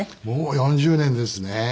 もう４０年ですね。